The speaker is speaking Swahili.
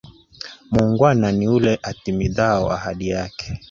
Muungwana niule atimidhao ahadi ake.